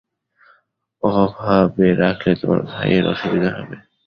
ওভাবে রাখলে তোমার ভাইয়ের অসুবিধা হবে।